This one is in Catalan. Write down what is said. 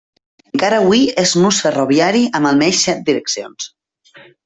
Encara avui és nus ferroviari amb almenys set direccions.